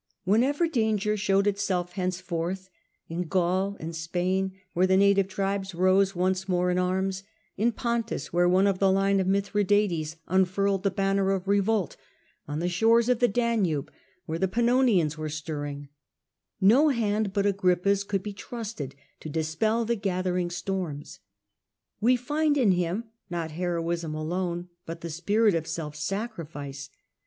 Whenever danger showed itself henceforth — in Gaul, in Spain, where the native tribes rose once more in arms ; in Pontus, where one of the line of Mithridates unfurled the banner of revolt; on the shores of the Danube, where the Pannonians were stirring — no hand but Agrippa^s could be trusted to dispel the gathering storms. We find in him not heroism alone self sacri but the spirit of self sacrifice.